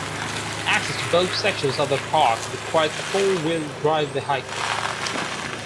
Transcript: Access to both sections of the park requires a four-wheel drive vehicle.